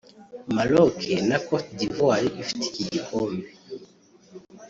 Maroc na Côte d’Ivoire ifite iki gikombe